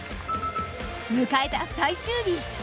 迎えた最終日。